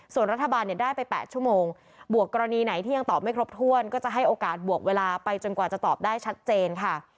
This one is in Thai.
ส่วนรัฐบาลเนี่ยได้ไป๘ชั่วโมงบวกกรณีไหนที่ยังตอบไม่ครบถ้วนก็จะให้โอกาสบวกเวลาไปจนกว่าจะตอบได้ชัดเจนค่ะ